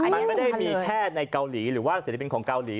มันไม่ได้มีแค่ในเกาหลีหรือว่าศิลปินของเกาหลี